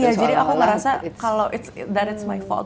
iya jadi aku ngerasa that it s my fault